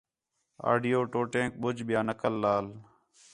آڈیو ٹوٹیک ٻُجھ، ٻِیا نقل لال